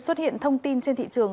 xuất hiện thông tin trên thị trường